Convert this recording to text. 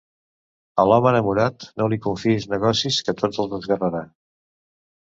A l'home enamorat, no li confiïs negocis, que tots els esguerrarà.